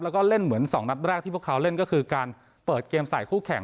แล้วก็เล่นเหมือน๒นัดแรกที่พวกเขาเล่นก็คือการเปิดเกมใส่คู่แข่ง